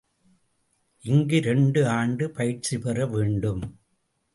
இங்கு இரண்டு ஆண்டு பயிற்சிபெற வேண்டும்.